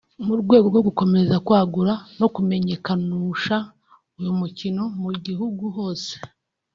mu rwego rwo gukomeza kwagura no kumenyekanusha uyu mukino mu gihugu hose